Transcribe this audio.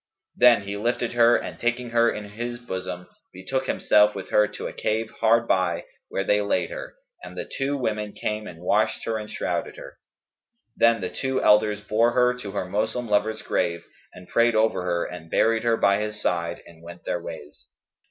Then he lifted her and, taking her in his bosom, betook himself with her to a cave hard by, where they laid her, and the two women came and washed her and shrouded her. Then the two elders bore her to her Moslem lover's grave and prayed over her and buried her by his side and went their ways.